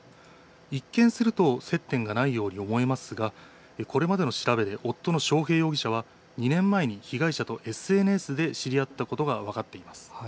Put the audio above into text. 一見すると接点がないように思えますが、これまでの調べで夫の章平容疑者は２年前に被害者とＳＮＳで知り合ったことが分かっています。